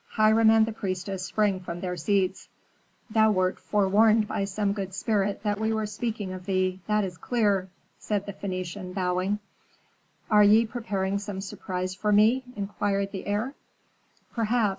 Hiram and the priestess sprang from their seats. "Thou wert forewarned by some good spirit that we were speaking of thee, that is clear," said the Phœnician, bowing. "Are ye preparing some surprise for me?" inquired the heir. "Perhaps.